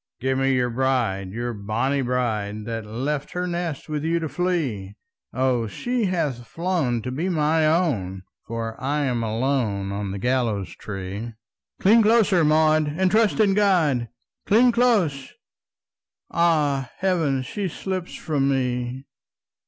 "Give me your bride, your bonnie bride, That left her nest with you to flee! O, she hath flown to be my own, For I'm alone on the gallows tree!" "Cling closer, Maud, and trust in God! Cling close! Ah, heaven, she slips from me!"